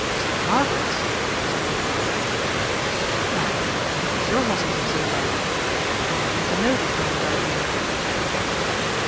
"St. Margaret's!" exclaimed Marchmont. "Why that is your hospital, Thorndyke. Do you happen to know this man Jardine?"